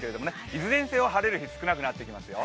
いずれにせよ、晴れる日は少なくなってきますよ。